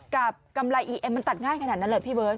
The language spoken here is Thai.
กำไรอีเอ็มมันตัดง่ายขนาดนั้นเหรอพี่เบิร์ต